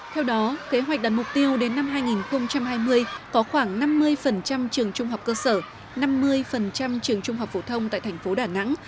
theo đó kế hoạch đặt mục tiêu đến năm hai nghìn hai mươi có khoảng năm mươi trường trung học cơ sở năm mươi trường trung học phổ thông tại thành phố đà nẵng